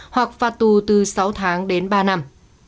hoặc phạt tù từ sáu tháng đến ba năm